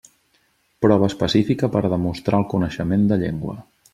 Prova especifica per demostrar el coneixement de llengua.